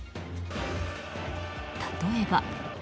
例えば。